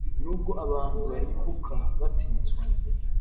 nubwo abantu barimbuka batsinzwe,